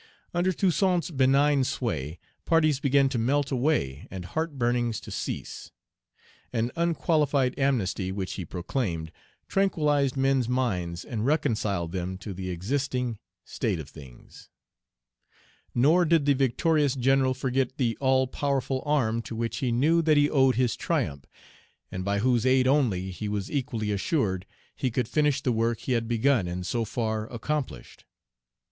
Under Toussaint's benign sway, parties began to melt away and heart burnings to cease. An unqualified amnesty, which he proclaimed, tranquillized men's minds and reconciled them to the existing state of things. Nor did the victorious general forget the All powerful Arm to which he knew that he owed his triumph, and by whose aid only, he was equally assured, he could finish the work he had begun and so far accomplished.